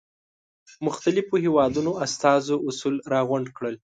مختلفو هېوادونو استازو اصول را غونډ کړل.